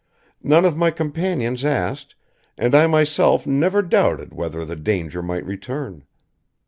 None of my companions asked, and I myself never doubted whether the danger might return.